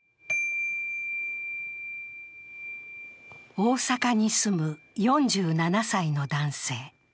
大阪に住む４７歳の男性。